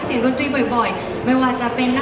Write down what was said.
มีปิดฟงปิดไฟแล้วถือเค้กขึ้นมา